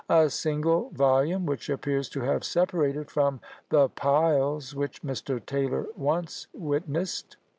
a single volume, which appears to have separated from the "piles" which Mr. Taylor once witnessed.